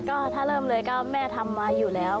ก็ถ้าเริ่มเลยก็แม่ทำไว้อยู่แล้ว